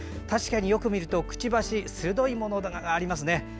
確かによく見るとくちばし鋭いものがありますね。